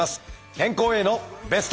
健康へのベスト。